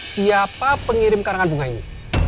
siapa pengirim karangan bunga ini